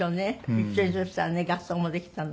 一緒にそしたらね合奏もできたのにね。